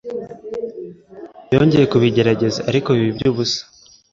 Yongeye kubigerageza, ariko biba iby'ubusa.